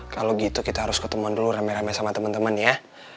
kalau gitu kita harus ketemu dulu remeh remeh sama temen temen ya